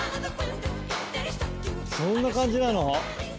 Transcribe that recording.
そんな感じなの？